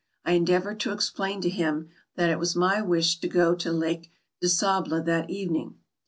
I endeavored to explain to him that it was my wish to go to Lake de Sable that evening.